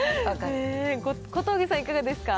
小峠さん、いかがですか。